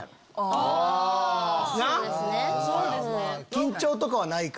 緊張とかはないかもね。